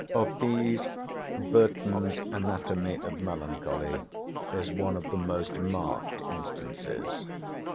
Of these, Burton's 'Anatomy of Melancholy' is one of the most marked instances.